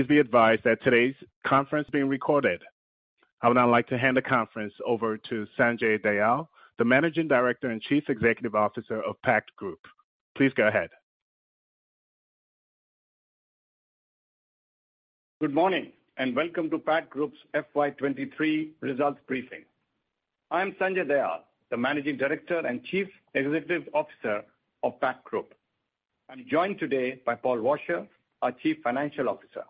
Please be advised that today's conference is being recorded. I would now like to hand the conference over to Sanjay Dayal, the Managing Director and Chief Executive Officer of Pact Group. Please go ahead. Good morning, and welcome to Pact Group's FY 2023 results briefing. I'm Sanjay Dayal, the Managing Director and Chief Executive Officer of Pact Group. I'm joined today by Paul Washer, our Chief Financial Officer.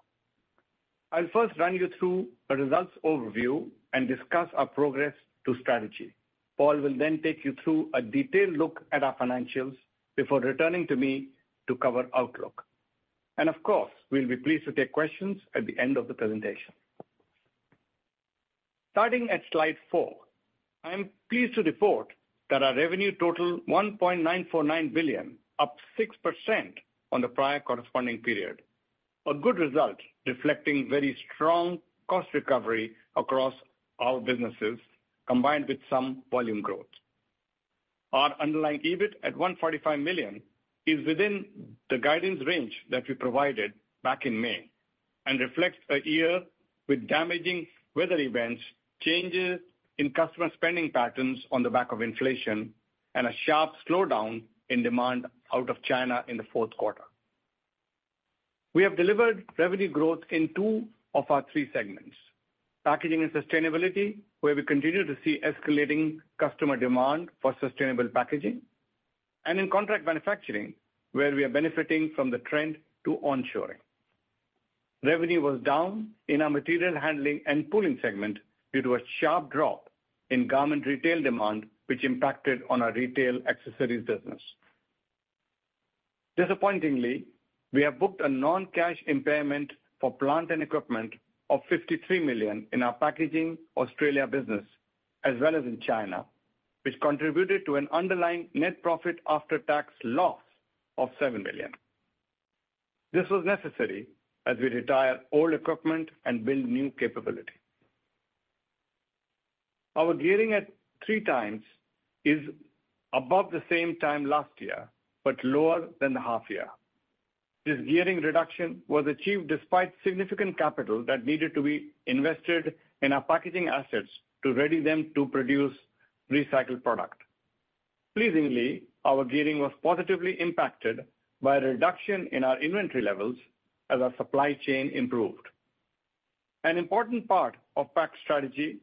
I'll first run you through a results overview and discuss our progress to strategy. Paul will then take you through a detailed look at our financials before returning to me to cover outlook. Of course, we'll be pleased to take questions at the end of the presentation. Starting at slide four, I am pleased to report that our revenue totaled 1.949 billion, up 6% on the prior corresponding period. A good result, reflecting very strong cost recovery across all businesses, combined with some volume growth. Our underlying EBIT at 145 million is within the guidance range that we provided back in May and reflects a year with damaging weather events, changes in customer spending patterns on the back of inflation, and a sharp slowdown in demand out of China in the fourth quarter. We have delivered revenue growth in two of our three segments: Packaging and Sustainability, where we continue to see escalating customer demand for sustainable packaging, and in Contract Manufacturing, where we are benefiting from the trend to onshoring. Revenue was down in our Materials Handling and Pooling segment due to a sharp drop in garment retail demand, which impacted on our retail accessories business. Disappointingly, we have booked a non-cash impairment for plant and equipment of 53 million in our Packaging Australia business, as well as in China, which contributed to an underlying net profit after tax loss of 7 million. This was necessary as we retire old equipment and build new capability. Our gearing at 3x is above the same time last year, but lower than the half year. This gearing reduction was achieved despite significant capital that needed to be invested in our packaging assets to ready them to produce recycled product. Pleasingly, our gearing was positively impacted by a reduction in our inventory levels as our supply chain improved. An important part of Pact's strategy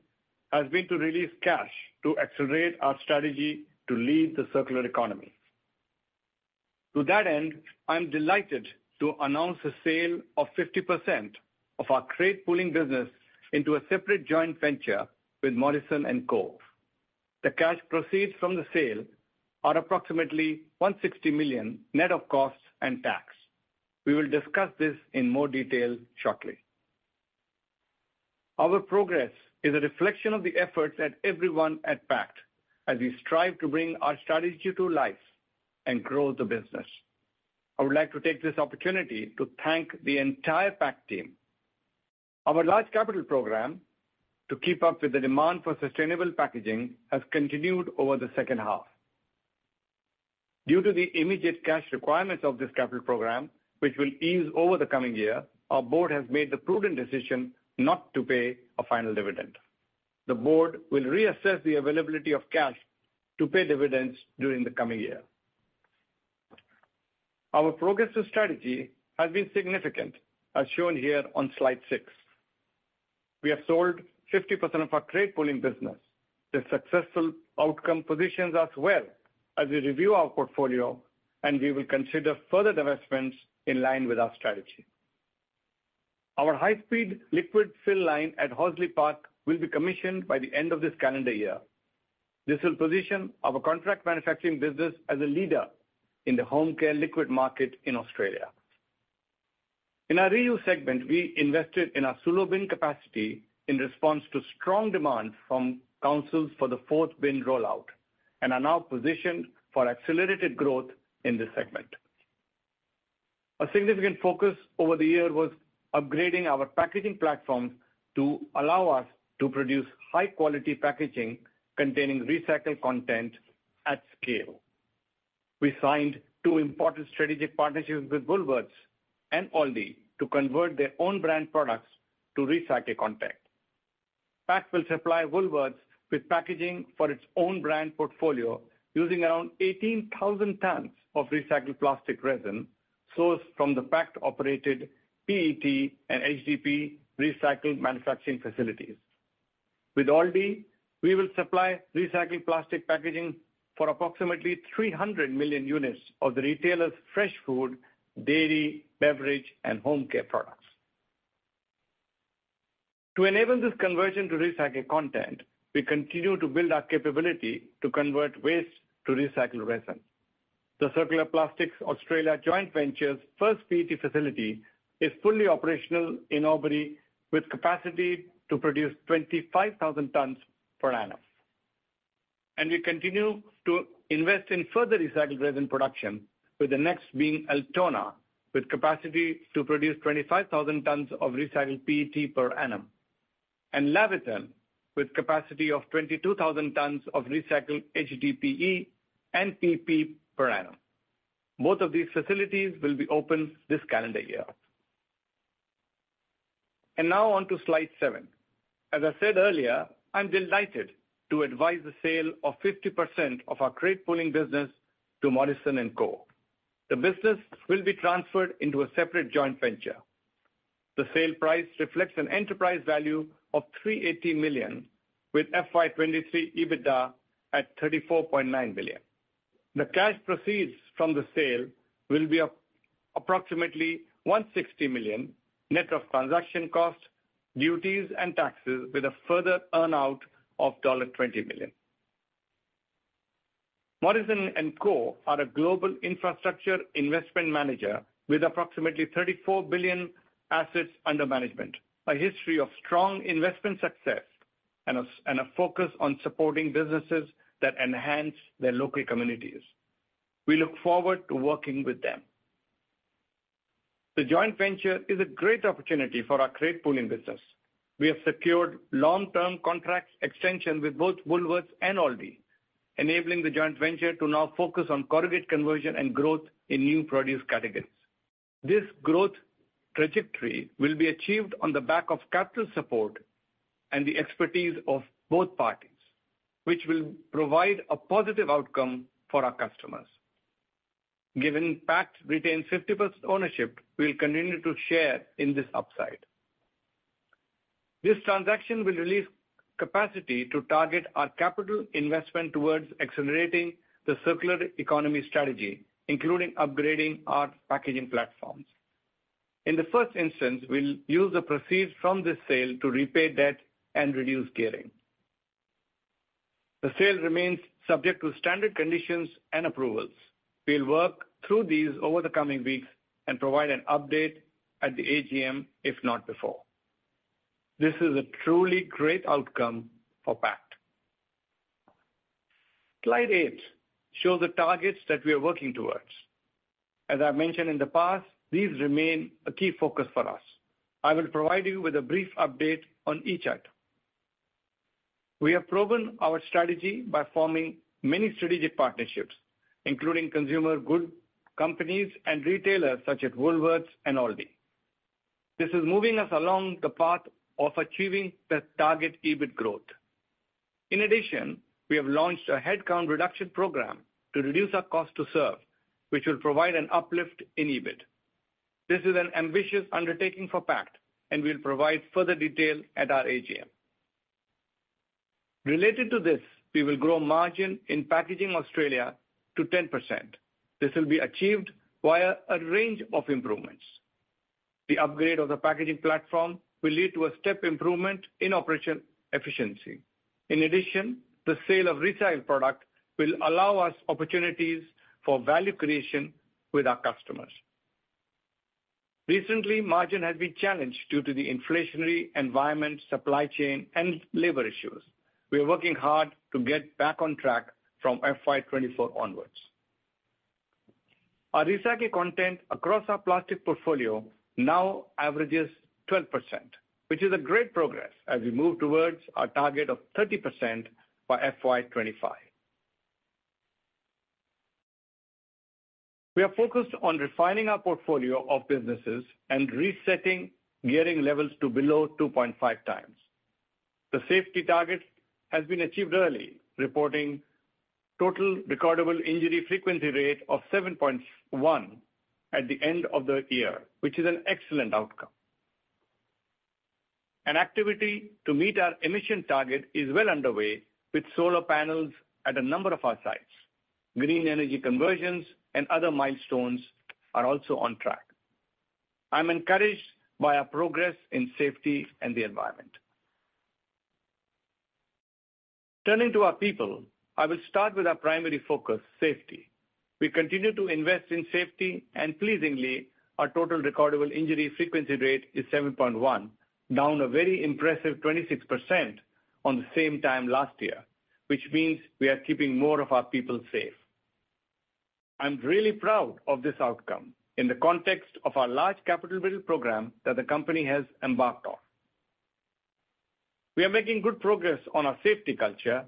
has been to release cash to accelerate our strategy to lead the circular economy. To that end, I am delighted to announce the sale of 50% of our crate pooling business into a separate joint venture with Morrison & Co. The cash proceeds from the sale are approximately 160 million, net of costs and tax. We will discuss this in more detail shortly. Our progress is a reflection of the efforts that everyone at Pact, as we strive to bring our strategy to life and grow the business. I would like to take this opportunity to thank the entire Pact team. Our large capital program to keep up with the demand for sustainable packaging has continued over the second half. Due to the immediate cash requirements of this capital program, which will ease over the coming year, our board has made the prudent decision not to pay a final dividend. The board will reassess the availability of cash to pay dividends during the coming year. Our progress to strategy has been significant, as shown here on slide 6. We have sold 50% of our crate pooling business. The successful outcome positions us well as we review our portfolio, and we will consider further divestments in line with our strategy. Our high-speed liquid fill line at Horsley Park will be commissioned by the end of this calendar year. This will position our Contract Manufacturing business as a leader in the home care liquid market in Australia. In our Reuse segment, we invested in our SULO bin capacity in response to strong demand from councils for the fourth bin rollout and are now positioned for accelerated growth in this segment. A significant focus over the year was upgrading our packaging platforms to allow us to produce high-quality packaging containing recycled content at scale. We signed two important strategic partnerships with Woolworths and Aldi to convert their own brand products to recycled content. Pact will supply Woolworths with packaging for its own brand portfolio, using around 18,000 tons of recycled plastic resin sourced from the Pact-operated PET and HDPE recycled manufacturing facilities. With Aldi, we will supply recycled plastic packaging for approximately 300 million units of the retailer's fresh food, dairy, beverage, and home care products. To enable this conversion to recycled content, we continue to build our capability to convert waste to recycled resin. The Circular Plastics Australia joint venture's first PET facility is fully operational in Albury, with capacity to produce 25,000 tons per annum. We continue to invest in further recycled resin production, with the next being Altona, with capacity to produce 25,000 tons of recycled PET per annum. Laverton, with capacity of 22,000 tons of recycled HDPE and PP per annum. Both of these facilities will be open this calendar year. Now on to slide seven. As I said earlier, I'm delighted to advise the sale of 50% of our crate pooling business to Morrison & Co. The business will be transferred into a separate joint venture. The sale price reflects an enterprise value of 380 million, with FY 2023 EBITDA at 34.9 billion. The cash proceeds from the sale will be approximately 160 million, net of transaction costs, duties, and taxes, with a further earn-out of dollar 20 million. Morrison & Co are a global infrastructure investment manager with approximately 34 billion assets under management, a history of strong investment success, and a focus on supporting businesses that enhance their local communities. We look forward to working with them. The joint venture is a great opportunity for our crate pooling business. We have secured long-term contract extension with both Woolworths and Aldi, enabling the joint venture to now focus on corrugate conversion and growth in new produce categories. This growth trajectory will be achieved on the back of capital support and the expertise of both parties, which will provide a positive outcome for our customers. Given Pact retains 50% ownership, we'll continue to share in this upside. This transaction will release capacity to target our capital investment towards accelerating the circular economy strategy, including upgrading our packaging platforms. In the first instance, we'll use the proceeds from this sale to repay debt and reduce gearing. The sale remains subject to standard conditions and approvals. We'll work through these over the coming weeks and provide an update at the AGM, if not before. This is a truly great outcome for Pact. Slide eight shows the targets that we are working towards. As I mentioned in the past, these remain a key focus for us. I will provide you with a brief update on each item. We have proven our strategy by forming many strategic partnerships, including consumer good companies and retailers such as Woolworths and Aldi. This is moving us along the path of achieving the target EBIT growth. In addition, we have launched a headcount reduction program to reduce our cost to serve, which will provide an uplift in EBIT. This is an ambitious undertaking for Pact, and we'll provide further detail at our AGM. Related to this, we will grow margin in Packaging Australia to 10%. This will be achieved via a range of improvements. The upgrade of the packaging platform will lead to a step improvement in operation efficiency. In addition, the sale of recycled product will allow us opportunities for value creation with our customers. Recently, margin has been challenged due to the inflationary environment, supply chain, and labor issues. We are working hard to get back on track from FY 2024 onwards. Our recycled content across our plastic portfolio now averages 12%, which is a great progress as we move towards our target of 30% by FY 2025. We are focused on refining our portfolio of businesses and resetting gearing levels to below 2.5x. The safety target has been achieved early, reporting Total Recordable Injury Frequency Rate of 7.1 at the end of the year, which is an excellent outcome. An activity to meet our emission target is well underway, with solar panels at a number of our sites. Green energy conversions and other milestones are also on track. I'm encouraged by our progress in safety and the environment. Turning to our people, I will start with our primary focus, safety. We continue to invest in safety, and pleasingly, our Total Recordable Injury Frequency Rate is 7.1, down a very impressive 26% on the same time last year, which means we are keeping more of our people safe. I'm really proud of this outcome in the context of our large capital build program that the company has embarked on. We are making good progress on our safety culture.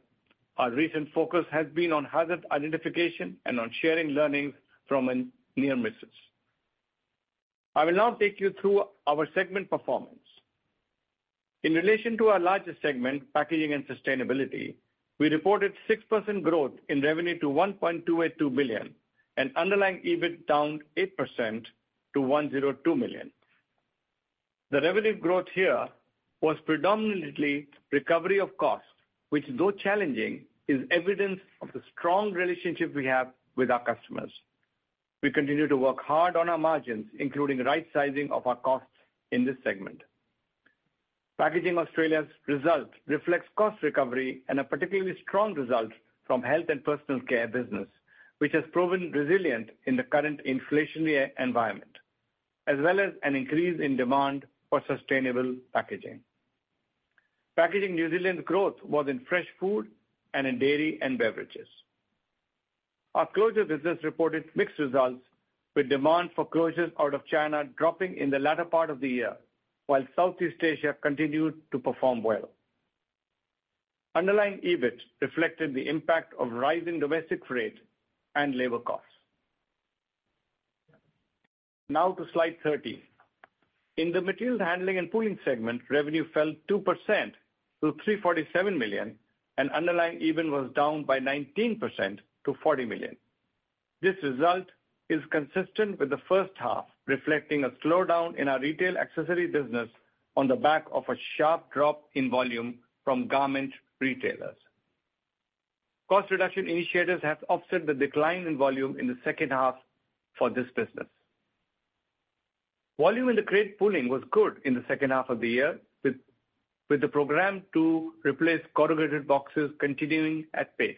Our recent focus has been on hazard identification and on sharing learnings from an near misses. I will now take you through our segment performance. In relation to our largest segment, Packaging and Sustainability, we reported 6% growth in revenue to 1.282 billion, and underlying EBIT down 8% to 102 million. The revenue growth here was predominantly recovery of costs, which, though challenging, is evidence of the strong relationship we have with our customers. We continue to work hard on our margins, including right sizing of our costs in this segment. Packaging Australia's result reflects cost recovery and a particularly strong result from health and personal care business, which has proven resilient in the current inflationary environment, as well as an increase in demand for sustainable packaging. Packaging New Zealand growth was in fresh food and in dairy and beverages. Our closure business reported mixed results, with demand for closures out of China dropping in the latter part of the year, while Southeast Asia continued to perform well. Underlying EBIT reflected the impact of rising domestic freight and labor costs. Now to Slide 13. In the Materials Handling and Pooling segment, revenue fell 2% to 347 million, and underlying EBIT was down by 19% to 40 million. This result is consistent with the first half, reflecting a slowdown in our retail accessory business on the back of a sharp drop in volume from garment retailers. Cost reduction initiatives have offset the decline in volume in the second half for this business. Volume in the crate pooling was good in the second half of the year, with the program to replace corrugated boxes continuing at pace.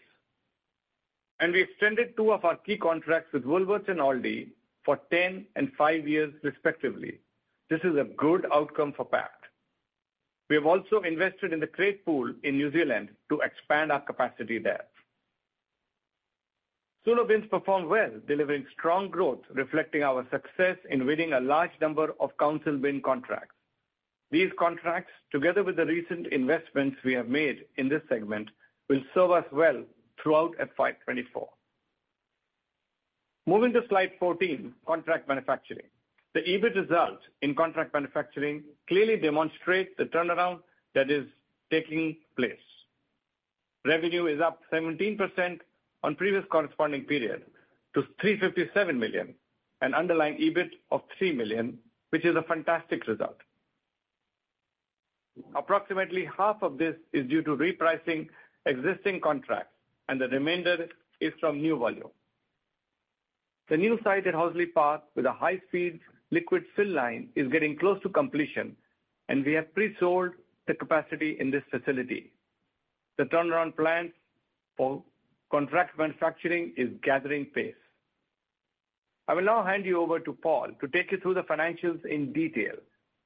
We extended two of our key contracts with Woolworths and Aldi for 10 and 5 years, respectively. This is a good outcome for Pact. We have also invested in the crate pool in New Zealand to expand our capacity there. SULO bins performed well, delivering strong growth, reflecting our success in winning a large number of council bin contracts. These contracts, together with the recent investments we have made in this segment, will serve us well throughout FY 2024. Moving to Slide 14: Contract Manufacturing. The EBIT result in Contract Manufacturing clearly demonstrates the turnaround that is taking place. Revenue is up 17% on previous corresponding period to 357 million, an underlying EBIT of 3 million, which is a fantastic result. Approximately half of this is due to repricing existing contracts, and the remainder is from new volume. The new site at Horsley Park, with a high-speed liquid fill line, is getting close to completion, and we have pre-sold the capacity in this facility. The turnaround plan for Contract Manufacturing is gathering pace. I will now hand you over to Paul to take you through the financials in detail.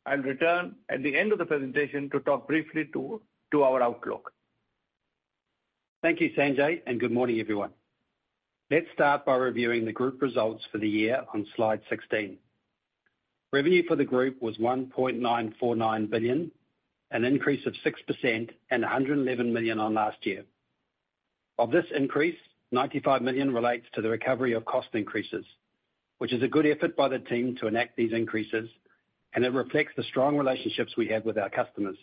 I'll return at the end of the presentation to talk briefly to our outlook. Thank you, Sanjay, and good morning, everyone. Let's start by reviewing the group results for the year on Slide 16. Revenue for the group was 1.949 billion, an increase of 6% and 111 million on last year. Of this increase, 95 million relates to the recovery of cost increases, which is a good effort by the team to enact these increases, and it reflects the strong relationships we have with our customers.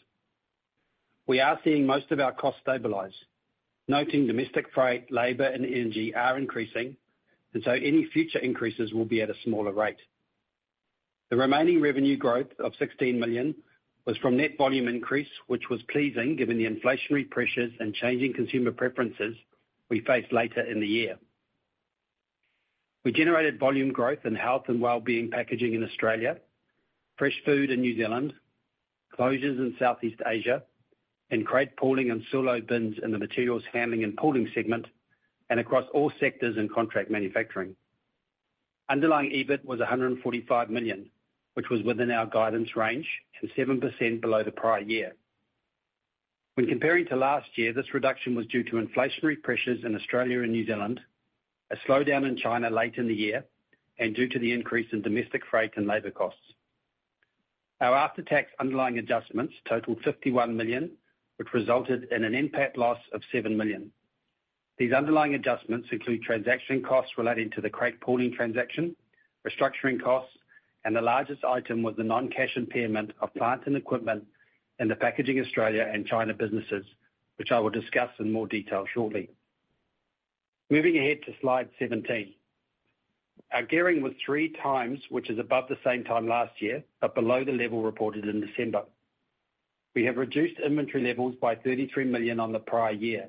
We are seeing most of our costs stabilize, noting domestic freight, labor, and energy are increasing, and so any future increases will be at a smaller rate. The remaining revenue growth of 16 million was from net volume increase, which was pleasing, given the inflationary pressures and changing consumer preferences we faced later in the year. We generated volume growth in health and well-being packaging in Australia, fresh food in New Zealand, closures in Southeast Asia, and crate pooling and SULO bins in the Materials Handling and Pooling segment, and across all sectors in Contract Manufacturing. Underlying EBIT was 145 million, which was within our guidance range and 7% below the prior year. When comparing to last year, this reduction was due to inflationary pressures in Australia and New Zealand, a slowdown in China late in the year, and due to the increase in domestic freight and labor costs. Our after-tax underlying adjustments totaled 51 million, which resulted in an NPAT loss of 7 million. These underlying adjustments include transaction costs relating to the crate pooling transaction, restructuring costs, and the largest item was the non-cash impairment of plant and equipment in the Packaging Australia and China businesses, which I will discuss in more detail shortly. Moving ahead to Slide 17. Our gearing was 3x, which is above the same time last year, but below the level reported in December. We have reduced inventory levels by 33 million on the prior year,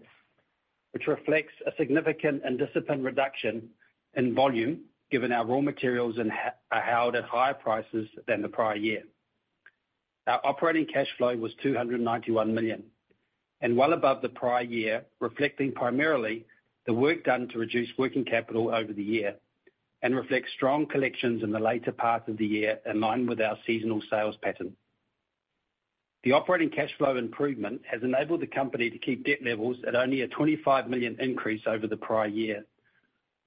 which reflects a significant and disciplined reduction in volume, given our raw materials are held at higher prices than the prior year. Our operating cash flow was 291 million and well above the prior year, reflecting primarily the work done to reduce working capital over the year and reflects strong collections in the later part of the year in line with our seasonal sales pattern. The operating cash flow improvement has enabled the company to keep debt levels at only an 25 million increase over the prior year,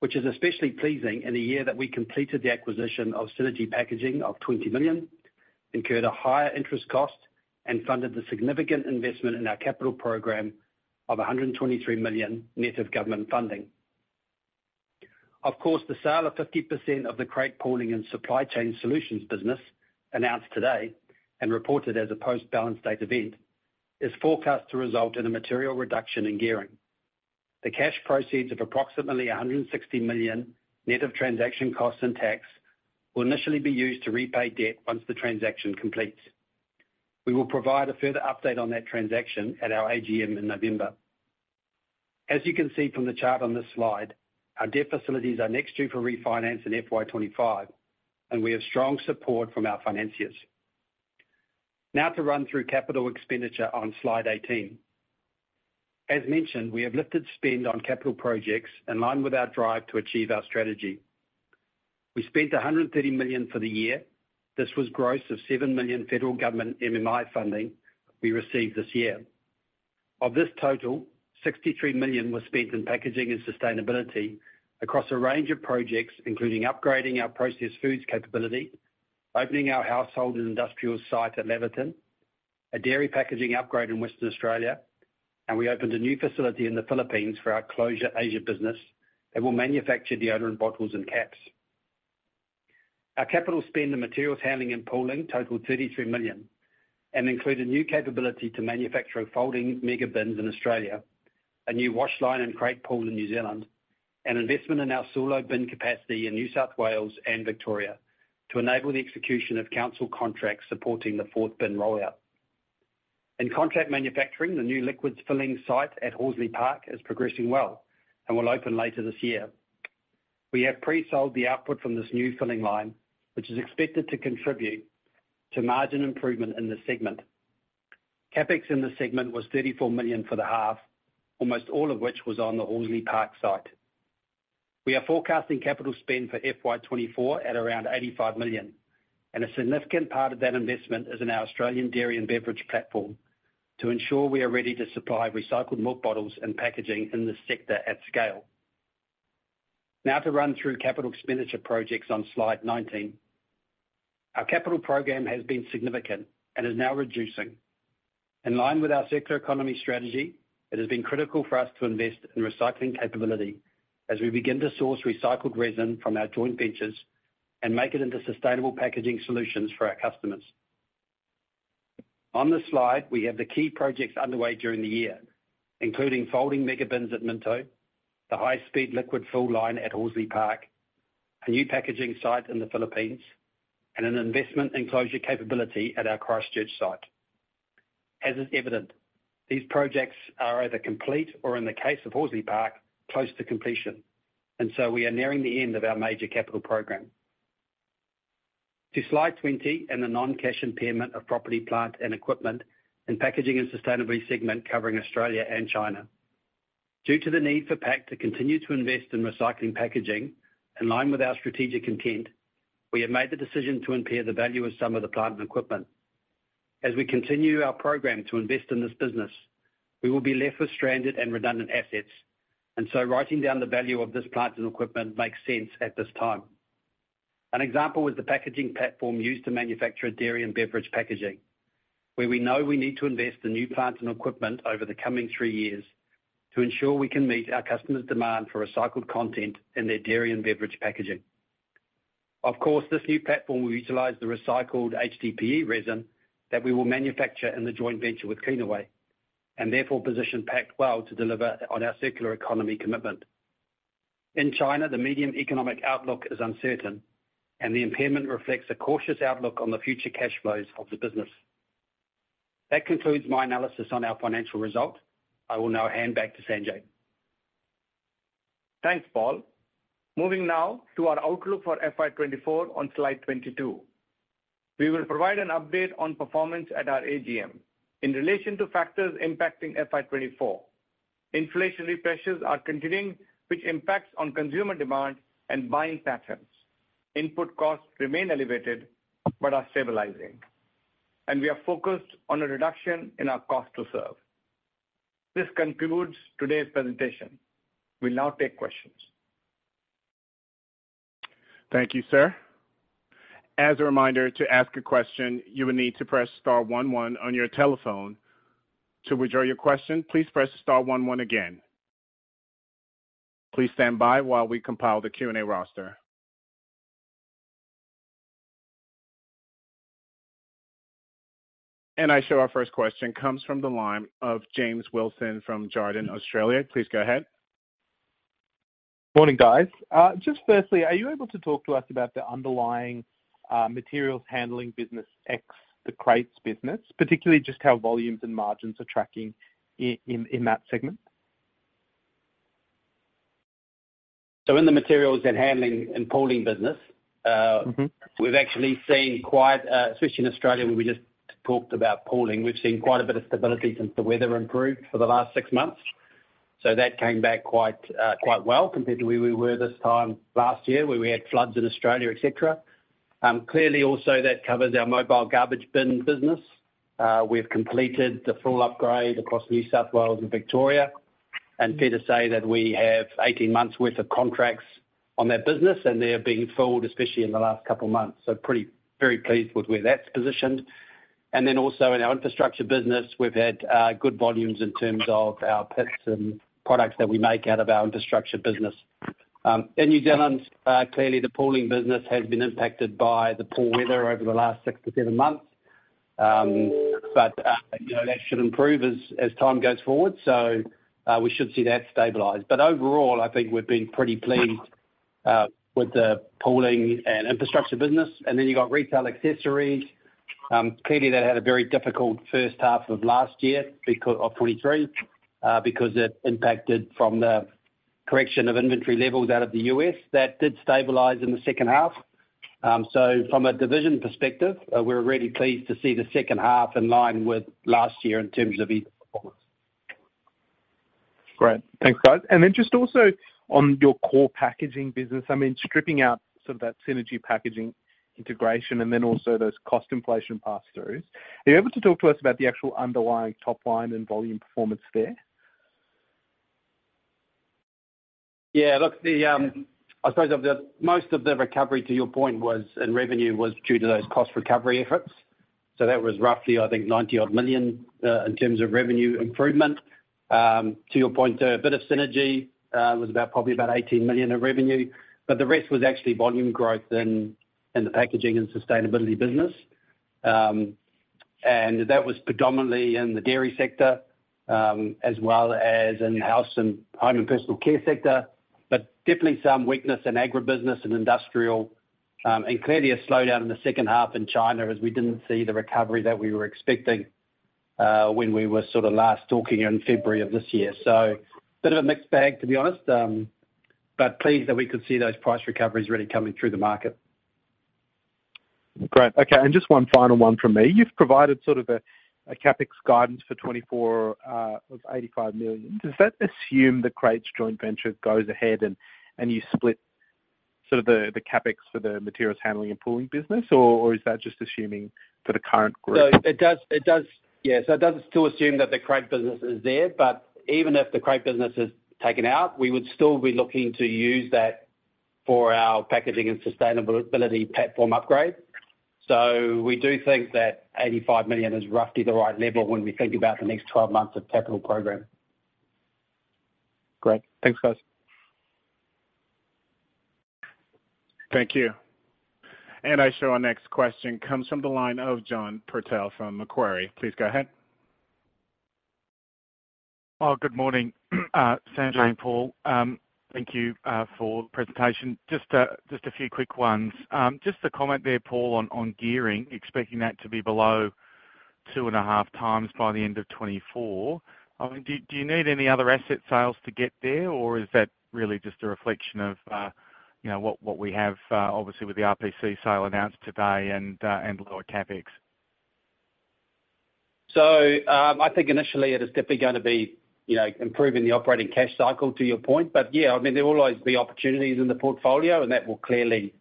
which is especially pleasing in the year that we completed the acquisition of Synergy Packaging of 20 million, incurred a higher interest cost, and funded the significant investment in our capital program of 123 million net of government funding. Of course, the sale of 50% of the crate pooling and supply chain solutions business announced today and reported as a post-balance date event, is forecast to result in a material reduction in gearing. The cash proceeds of approximately 160 million, net of transaction costs and tax, will initially be used to repay debt once the transaction completes. We will provide a further update on that transaction at our AGM in November. As you can see from the chart on this slide, our debt facilities are next due for refinance in FY 2025, and we have strong support from our financiers. Now to run through capital expenditure on Slide 18. As mentioned, we have lifted spend on capital projects in line with our drive to achieve our strategy. We spent 130 million for the year. This was gross of 7 million federal government MMI funding we received this year. Of this total, 63 million was spent in Packaging and Sustainability across a range of projects, including upgrading our processed foods capability, opening our household and industrial site at Laverton, a dairy packaging upgrade in Western Australia, and we opened a new facility in the Philippines for our Closures Asia business that will manufacture deodorant bottles and caps. Our capital spend in Materials Handling and Pooling totaled 33 million, and included new capability to manufacture folding MegaBins in Australia, a new wash line and crate pool in New Zealand, and investment in our SULO bin capacity in New South Wales and Victoria to enable the execution of council contracts supporting the fourth bin rollout. In Contract Manufacturing, the new liquids filling site at Horsley Park is progressing well and will open later this year. We have pre-sold the output from this new filling line, which is expected to contribute to margin improvement in this segment. CapEx in this segment was AUD 34 million for the half, almost all of which was on the Horsley Park site. We are forecasting capital spend for FY 2024 at around 85 million, a significant part of that investment is in our Australian dairy and beverage platform to ensure we are ready to supply recycled milk bottles and packaging in this sector at scale. To run through capital expenditure projects on slide 19. Our capital program has been significant and is now reducing. In line with our circular economy strategy, it has been critical for us to invest in recycling capability as we begin to source recycled resin from our joint ventures and make it into sustainable packaging solutions for our customers. On this slide, we have the key projects underway during the year, including folding MegaBins at Minto, the high-speed liquid fill line at Horsley Park, a new packaging site in the Philippines, and an investment in closure capability at our Christchurch site. As is evident, these projects are either complete or, in the case of Horsley Park, close to completion, and so we are nearing the end of our major capital program. To slide 20 and the non-cash impairment of property, plant, and equipment in Packaging and Sustainability segment, covering Australia and China. Due to the need for Pact to continue to invest in recycling packaging in line with our strategic intent, we have made the decision to impair the value of some of the plant and equipment. As we continue our program to invest in this business, we will be left with stranded and redundant assets, and so writing down the value of this plant and equipment makes sense at this time. An example is the packaging platform used to manufacture dairy and beverage packaging, where we know we need to invest in new plant and equipment over the coming three years to ensure we can meet our customers' demand for recycled content in their dairy and beverage packaging. Of course, this new platform will utilize the recycled HDPE resin that we will manufacture in the joint venture with Cleanaway and therefore position Pact well to deliver on our circular economy commitment. In China, the medium economic outlook is uncertain, and the impairment reflects a cautious outlook on the future cash flows of the business. That concludes my analysis on our financial results. I will now hand back to Sanjay. Thanks, Paul. Moving now to our outlook for FY 2024 on slide 22. We will provide an update on performance at our AGM in relation to factors impacting FY 2024. Inflationary pressures are continuing, which impacts on consumer demand and buying patterns. Input costs remain elevated but are stabilizing, and we are focused on a reduction in our cost to serve. This concludes today's presentation. We'll now take questions. Thank you, sir. As a reminder, to ask a question, you will need to press star one one on your telephone. To withdraw your question, please press star one one again. Please stand by while we compile the Q&A roster. I show our first question comes from the line of James Wilson from Jarden Australia. Please go ahead. Morning, guys. Just firstly, are you able to talk to us about the underlying Materials Handling business, ex the crates business? Particularly, just how volumes and margins are tracking in, in that segment. In the Materials and Handling and Pooling business— Mm-hmm. we've actually seen quite, especially in Australia, where we just talked about pooling. We've seen quite a bit of stability since the weather improved for the last six months. That came back quite, quite well compared to where we were this time last year, where we had floods in Australia, etc.. Clearly, also that covers our mobile garbage bin business. We've completed the full upgrade across New South Wales and Victoria, and fair to say that we have 18 months worth of contracts on that business, and they are being filled, especially in the last couple of months. Pretty, very pleased with where that's positioned. Also in our infrastructure business, we've had good volumes in terms of our PET and products that we make out of our infrastructure business. In New Zealand, clearly the pooling business has been impacted by the poor weather over the last six to seven months. You know, that should improve as, as time goes forward. We should see that stabilize. Overall, I think we've been pretty pleased with the pooling and infrastructure business. Then you've got retail accessories. Clearly, that had a very difficult first half of last year because...of 2023, because it impacted from the correction of inventory levels out of the U.S.. That did stabilize in the second half. From a division perspective, we're really pleased to see the second half in line with last year in terms of performance. Great, thanks, guys. Then just also on your core packaging business, I mean, stripping out some of that Synergy Packaging integration and then also those cost inflation pass-throughs, are you able to talk to us about the actual underlying top line and volume performance there? Yeah, look, the I suppose of the most of the recovery, to your point, was, in revenue, was due to those cost recovery efforts. That was roughly, I think, 90 million in terms of revenue improvement. To your point, a bit of synergy was about probably about 18 million of revenue, but the rest was actually volume growth in, in the Packaging and Sustainability business. And that was predominantly in the dairy sector, as well as in house and home and personal care sector, but definitely some weakness in agribusiness and industrial, and clearly a slowdown in the second half in China, as we didn't see the recovery that we were expecting, when we were sort of last talking in February of this year. Bit of a mixed bag, to be honest, but pleased that we could see those price recoveries really coming through the market. Great. Okay, and just one final one from me. You've provided sort of a, a CapEx guidance for FY 2024 of 85 million. Does that assume the crates joint venture goes ahead and, and you split sort of the, the CapEx for the Materials Handling and Pooling business, or, or is that just assuming for the current group? It does still assume that the crate business is there. Even if the crate business is taken out, we would still be looking to use that for our Packaging and Sustainability platform upgrade. We do think that 85 million is roughly the right level when we think about the next 12 months of capital program. Great. Thanks, guys. Thank you. I show our next question comes from the line of John Purtell from Macquarie. Please go ahead. Oh, good morning, Sanjay and Paul. Thank you for the presentation. Just a few quick ones. Just a comment there, Paul, on gearing, expecting that to be below 2.5x by the end of 2024. I mean, do you need any other asset sales to get there, or is that really just a reflection of, you know, what we have, obviously, with the RPC sale announced today and lower CapEx? I think initially it is definitely going to be, you know, improving the operating cash cycle, to your point. Yeah, I mean, there will always be opportunities in the portfolio, and that will clearly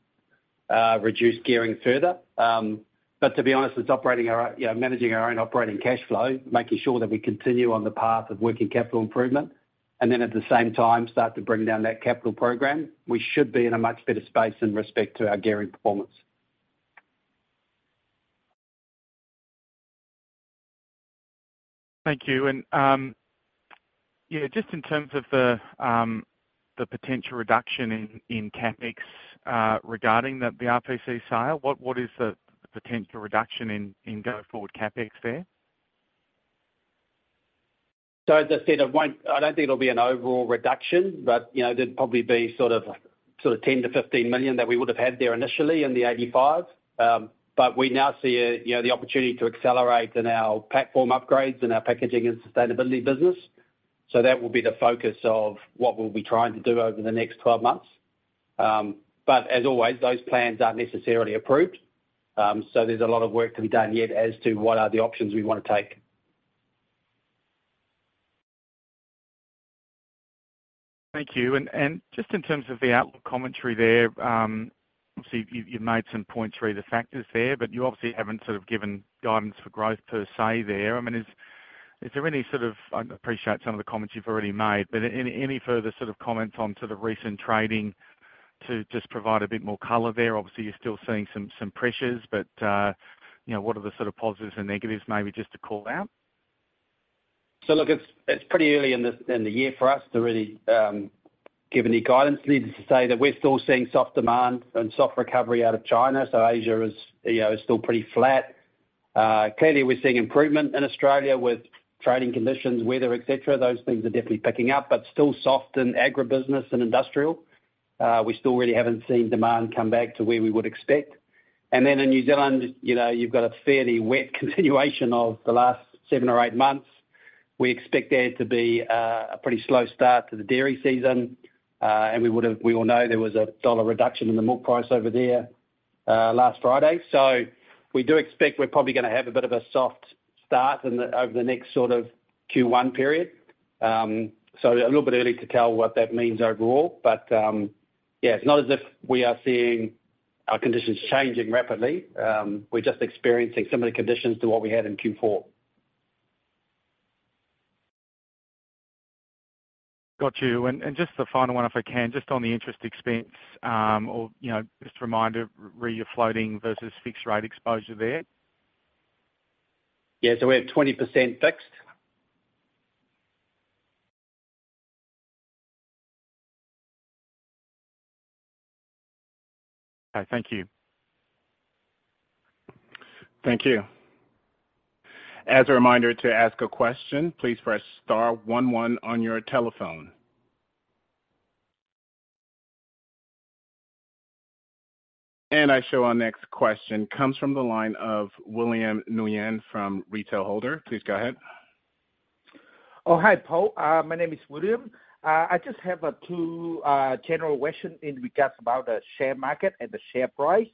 reduce gearing further. To be honest, it's operating our own, you know, managing our own operating cash flow, making sure that we continue on the path of working capital improvement, and then at the same time start to bring down that capital program. We should be in a much better space in respect to our gearing performance. Thank you. Yeah, just in terms of the, the potential reduction in, in CapEx, regarding the, the RPC sale, what, what is the potential reduction in, in go-forward CapEx there? As I said, I don't think it'll be an overall reduction, but, you know, there'd probably be sort of 10 million-15 million that we would have had there initially in the 85 million. We now see a, you know, the opportunity to accelerate in our platform upgrades and our Packaging and Sustainability business. That will be the focus of what we'll be trying to do over the next 12 months. As always, those plans aren't necessarily approved, so there's a lot of work to be done yet as to what are the options we want to take. Thank you. And just in terms of the outlook commentary there, obviously, you've, you've made some points re: the factors there, but you obviously haven't sort of given guidance for growth per se there. I mean, is, is there any sort of, I appreciate some of the comments you've already made, but any, any further sort of comments on sort of recent trading to just provide a bit more color there? Obviously, you're still seeing some, some pressures, but, you know, what are the sort of positives and negatives, maybe just to call out? Look, it's, it's pretty early in this, in the year for us to really give any guidance. Needless to say, that we're still seeing soft demand and soft recovery out of China, so Asia is, you know, is still pretty flat. Clearly, we're seeing improvement in Australia with trading conditions, weather, et cetera. Those things are definitely picking up, but still soft in agribusiness and industrial. We still really haven't seen demand come back to where we would expect. In New Zealand, you know, you've got a fairly wet continuation of the last seven or eight months. We expect there to be a pretty slow start to the dairy season. And we would have—we all know there was an AUD 1 reduction in the milk price over there last Friday. We do expect we're probably gonna have a bit of a soft start over the next sort of Q1 period. A little bit early to tell what that means overall. Yeah, it's not as if we are seeing our conditions changing rapidly. We're just experiencing similar conditions to what we had in Q4. Got you. And just the final one, if I can, just on the interest expense, or, you know, just a reminder, re: your floating versus fixed rate exposure there. Yeah, we have 20% fixed. All right. Thank you. Thank you. As a reminder, to ask a question, please press star one, one on your telephone. I show our next question comes from the line of William Nguyen from Retail Holder. Please go ahead. Oh, hi, Paul. My name is William. I just have a two general question in regards about the share market and the share price.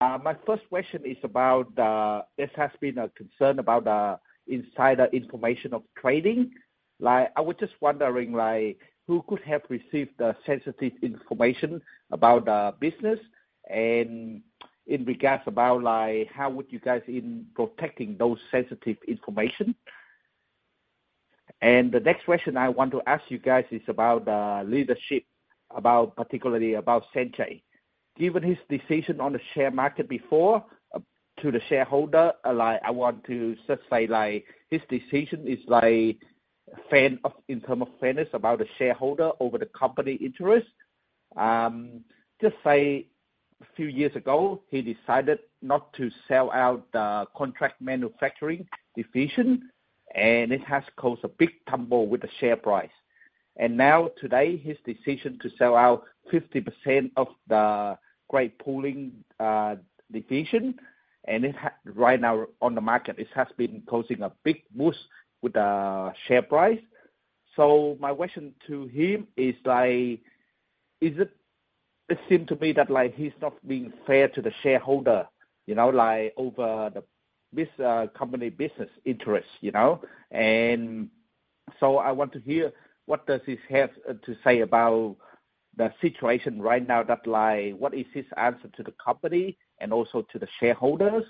My first question is about the, this has been a concern about the insider information of trading. Like, I was just wondering, like, who could have received the sensitive information about the business? In regards about like, how would you guys in protecting those sensitive information? The next question I want to ask you guys is about the leadership, about, particularly about Sanjay. Given his decision on the share market before, to the shareholder, like, I want to just say, like, his decision is like, fair of, in term of fairness about the shareholder over the company interest. just say, a few years ago, he decided not to sell out the Contract Manufacturing division. It has caused a big tumble with the share price. now, today, his decision to sell out 50% of the crate pooling division. Right now on the market, it has been causing a big boost with the share price. My question to him is like, It seem to me that, like, he's not being fair to the shareholder, you know, like, over the, this, company business interest, you know. I want to hear, what does he have to say about the situation right now, that like, what is his answer to the company and also to the shareholders?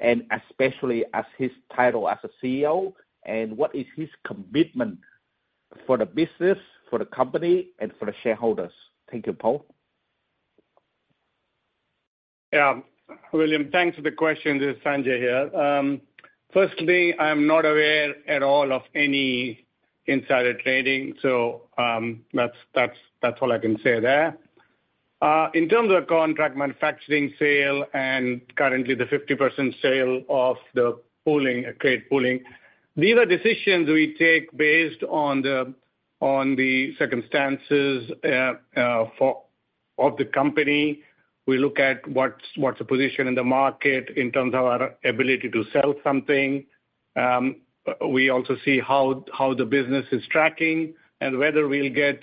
Especially as his title as a CEO, and what is his commitment for the business, for the company, and for the shareholders? Thank you, Paul. William, thanks for the question. This is Sanjay here. Firstly, I'm not aware at all of any insider trading, so that's, that's, that's all I can say there. In terms of Contract Manufacturing sale and currently the 50% sale of the pooling, crate pooling, these are decisions we take based on the, on the circumstances for of the company. We look at what's, what's the position in the market in terms of our ability to sell something. We also see how, how the business is tracking and whether we'll get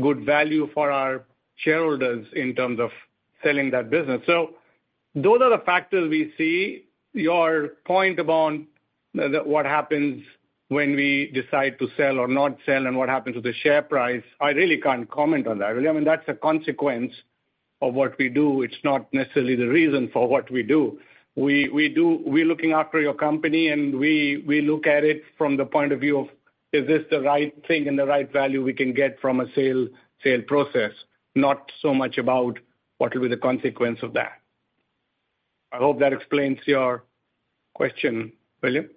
good value for our shareholders in terms of selling that business. Those are the factors we see. Your point about the, the what happens when we decide to sell or not sell and what happens to the share price, I really can't comment on that, William. I mean, that's a consequence of what we do. It's not necessarily the reason for what we do. We're looking after your company, and we look at it from the point of view of, is this the right thing and the right value we can get from a sale process? Not so much about what will be the consequence of that. I hope that explains your question, William. Thank you.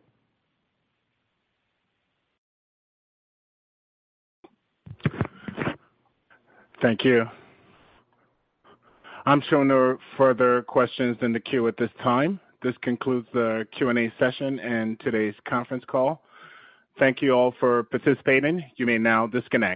I'm showing no further questions in the queue at this time. This concludes the Q&A session and today's conference call. Thank you all for participating. You may now disconnect.